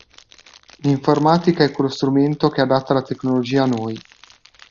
L'informatica è quello strumento che adatta la tecnologia a noi.